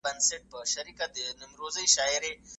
د قرآن کريم تلاوت ذهن قوي کوي.